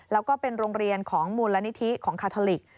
แล้วก็เป็นโรงเรียนของมูลนิธิของคาทอลิก